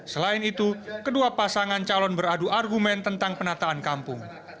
selain itu kedua pasangan calon beradu argumen tentang penataan kampung